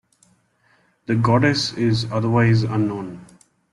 The goddess is otherwise unknown.